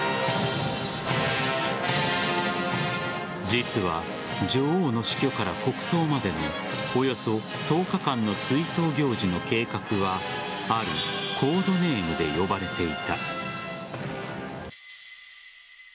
実は女王の死去から国葬までのおよそ１０日間の追悼行事の計画はあるコードネームで呼ばれていた。